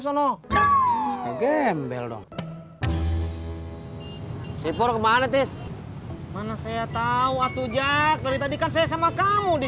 sono game bell dong sipur kemana tes mana saya tahu atu jak dari tadi kan saya sama kamu di